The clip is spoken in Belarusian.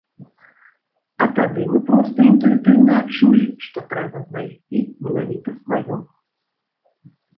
А тады мы проста інтуітыўна адчулі, што трэба знайсці менавіта сваё.